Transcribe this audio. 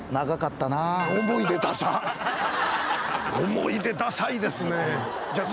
思い出ダサいですね。